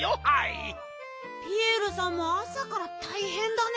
ピエールさんもあさからたいへんだね。